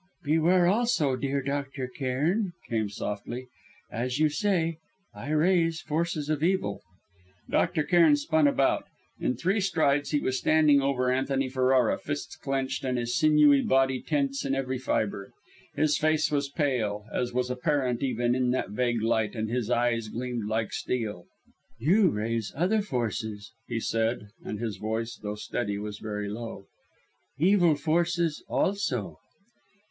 "Beware also, dear Dr. Cairn," came softly. "As you say, I raise forces of evil " Dr. Cairn spun about. In three strides he was standing over Antony Ferrara, fists clenched and his sinewy body tense in every fibre. His face was pale, as was apparent even in that vague light, and his eyes gleamed like steel. "You raise other forces," he said and his voice, though steady was very low; "evil forces, also."